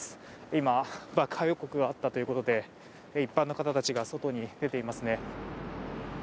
今、爆破予告があったということで一般の方たちが外に出ていますね。